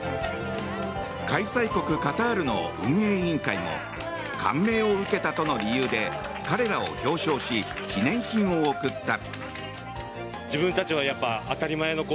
開催国カタールの運営委員会も感銘を受けたとの理由で彼らを表彰し記念品を贈った。